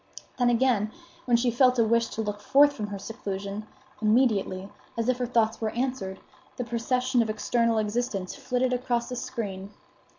Then again, when she felt a wish to look forth from her seclusion, immediately, as if her thoughts were answered, the procession of external existence flitted across a screen.